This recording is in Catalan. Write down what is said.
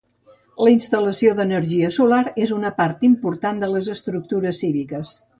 La instal·lació de l'energia solar és una part important de les estructures cíviques.